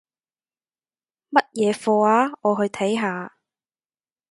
乜嘢課吖？我去睇下